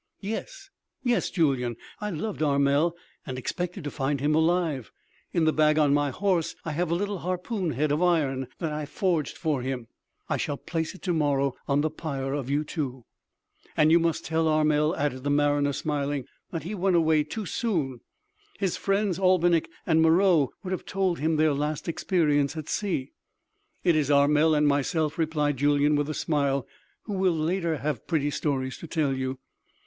"Yes, yes. Julyan; I loved Armel and expected to find him alive. In the bag on my horse I have a little harpoon head of iron that I forged for him; I shall place it to morrow on the pyre of you two " "And you must tell Armel," added the mariner smiling, "that he went away too soon; his friends Albinik and Meroë would have told him their last experience at sea." "It is Armel and myself," replied Julyan with a smile, "who will later have pretty stories to tell you.